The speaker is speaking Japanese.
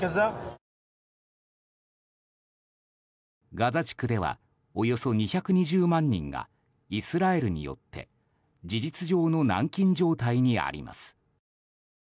ガザ地区ではおよそ２２０万人がイスラエルによって事実上の軟禁状態にあります。